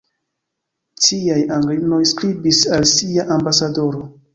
Ciaj Anglinoj skribis al sia ambasadoro.